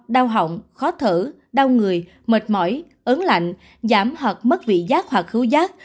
đau hỏng khó thở đau người mệt mỏi ớn lạnh giảm hoặc mất vị giác hoặc khứu giác